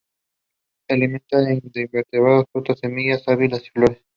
Se alimenta de invertebrados, frutas, semillas, savia y flores.